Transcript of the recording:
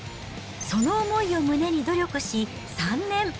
その思いを胸に努力し、３年。